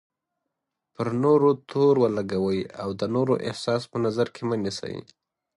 پر نورو تور ولګوئ او د نورو احساس په نظر کې مه نیسئ.